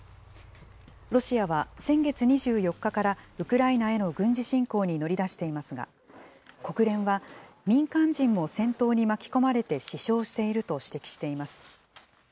ロシアは、先月２４日からウクライナへの軍事侵攻に乗り出していますが、国連は、民間人も戦闘に巻き込まれて死傷していると指摘しています。